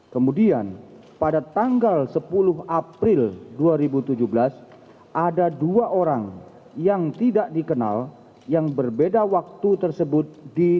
kemudian pada tanggal sepuluh april dua ribu tujuh belas ada dua orang yang tidak dikenal yang berbeda waktu tersebut